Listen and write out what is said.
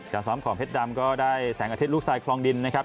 ซ้อมของเพชรดำก็ได้แสงอาทิตลูกทรายคลองดินนะครับ